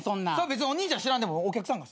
別にお兄ちゃん知らんでもお客さんが。